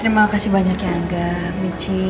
terima kasih banyak ya angga wiji